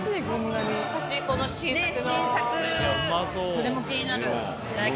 それも気になる。